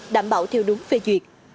đảm bảo theo đúng phê duyệt